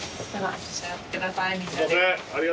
召し上がってくださいみんなで。